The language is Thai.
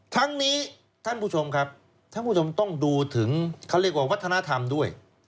ทั้งนี้ท่านผู้ชมครับท่านผู้ชมต้องดูถึงเขาเรียกว่าวัฒนธรรมด้วย